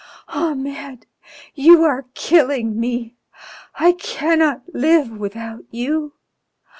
Ahmed! You are killing me. I cannot live without you.